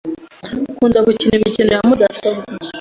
Ukunda gukina imikino ya mudasobwa?